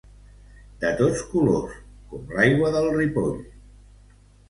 De tots colors, com l'aigua del Ripoll.